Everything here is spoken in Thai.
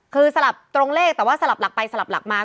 คือสลับตรงเลขแต่ว่าสลับหลักไปสลับหลักมา